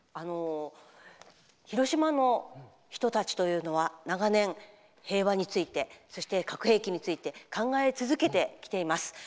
広島の人たちというのは長年、平和についてそして核兵器について考え続けてきています。